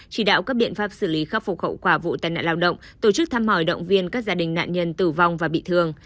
chỉ đạo các biện pháp xử lý khắc phục hậu quả vụ tai nạn lao động tổ chức thăm hỏi động viên các gia đình nạn nhân tử vong và bị thương